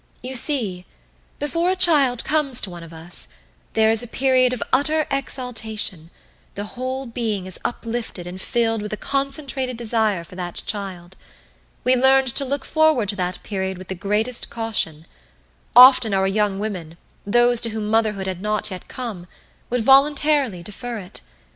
You see, before a child comes to one of us there is a period of utter exaltation the whole being is uplifted and filled with a concentrated desire for that child. We learned to look forward to that period with the greatest caution. Often our young women, those to whom motherhood had not yet come, would voluntarily defer it.